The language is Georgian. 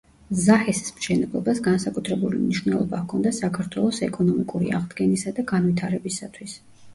ზაჰესის მშენებლობას განსაკუთრებული მნიშვნელობა ჰქონდა საქართველოს ეკონომიკური აღდგენისა და განვითარებისათვის.